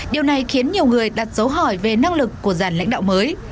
điều này khiến nhiều người đặt dấu hỏi về năng lực của giàn lãnh đạo mới